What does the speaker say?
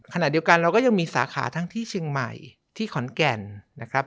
ขณะเดียวกันเราก็ยังมีสาขาทั้งที่เชียงใหม่ที่ขอนแก่นนะครับ